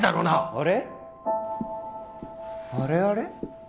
あれあれ？